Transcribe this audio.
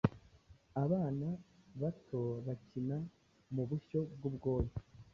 abana bato bakina Mubushyo bwubwoya.